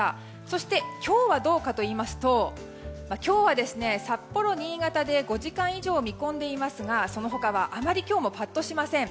そして今日はどうかといいますと今日は、札幌、新潟で５時間以上を見込んでいますがその他はあまり今日もパッとしません。